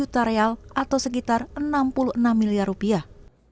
dan juga bahan untuk pembuatan kiswah